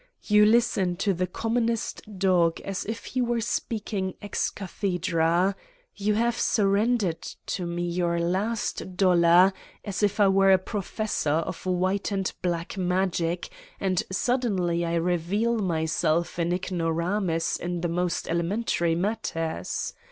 You listen to the commonest dog as if he were speaking ex cathedra. You have surrendered to me your last dollar as if I were a professor of white and black magic and suddenly I reveal myself an ignoramus in the most elementary matters!